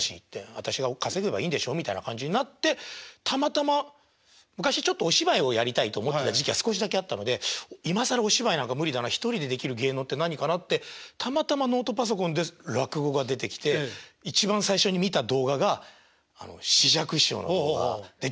私が稼げばいいんでしょみたいな感じになってたまたま昔ちょっとお芝居をやりたいと思ってた時期が少しだけあったので今更お芝居なんか無理だな１人でできる芸能って何かなってたまたまノートパソコンで落語が出てきて一番最初に見た動画が枝雀師匠の動画で「上燗屋」だったんですよ。